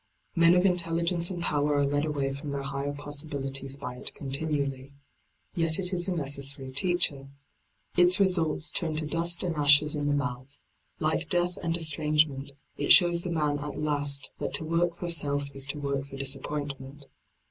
Men of intelli gence and power are led away from their higher possibilities by it continually. Yet it is a necessary teacher. Its results turn to dust and ashes in the mouth ; like death and estrangement it shows the man at last that to work for self is to work for disappointment.